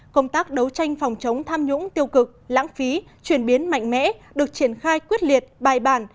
công tác đấu tranh phòng chống tham nhũng tiêu cực lãng phí chuyển biến mạnh mẽ được triển khai quyết liệt bài bản